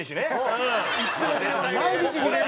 毎日見れる。